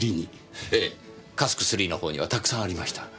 ええ「Ｃａｓｋ」のほうにはたくさんありました。